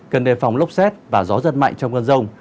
cần đề phòng lốc xét và gió giật mạnh trong cơn rông